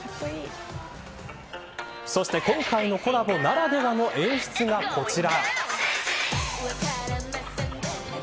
そして今回のコラボならではの演出がこちら。